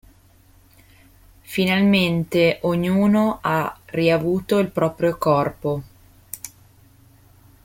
Finalmente ognuno ha riavuto il proprio corpo.